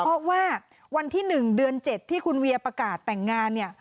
เพราะว่าวันที่๑เดือน๗ที่คุณเวียประกาศแต่งงานเนี่ย